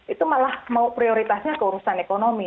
itu malah mau prioritasnya keurusan ekonomi